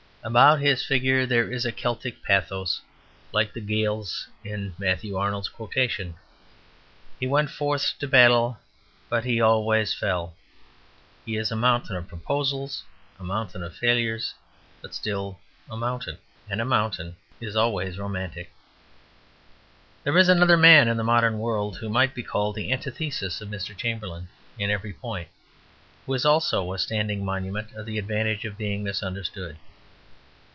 About his figure there is a Celtic pathos; like the Gaels in Matthew Arnold's quotation, "he went forth to battle, but he always fell." He is a mountain of proposals, a mountain of failures; but still a mountain. And a mountain is always romantic. There is another man in the modern world who might be called the antithesis of Mr. Chamberlain in every point, who is also a standing monument of the advantage of being misunderstood.